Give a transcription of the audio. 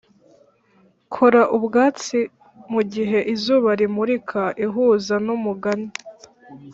kora ubwatsi mugihe izuba rimurika ihuza numugani